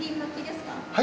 はい？